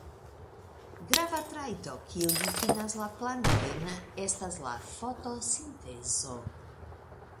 Grava trajto kiu difinas la plantojn estas la fotosintezo.